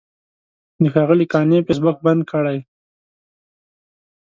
د ښاغلي قانع فیسبوک بند کړی.